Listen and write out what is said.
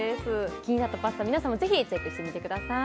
気になったパスタ、皆さんもぜひチェックしてみてください。